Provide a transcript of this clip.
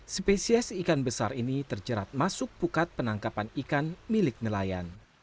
spesies ikan besar ini terjerat masuk pukat penangkapan ikan milik nelayan